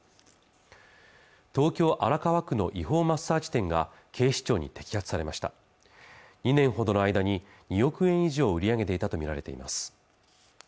東京・荒川区の違法マッサージ店が警視庁に摘発されました２年ほどの間に２億円以上を売り上げていたと見られています